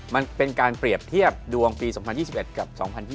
มันเป็นการเปรียบเทียบดวงปี๒๐๒๑กับ๒๐๒๐